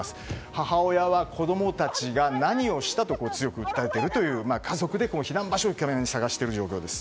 母親は子供たちが何をしたと強く訴えているという家族で避難場所を探している状況です。